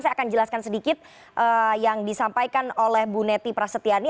saya akan jelaskan sedikit yang disampaikan oleh bu neti prasetyani